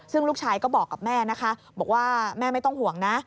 ซึ่งลูกชายก็บอกกับแม่นะคะบอกว่าแม่ไม่ต้องห่วงนะ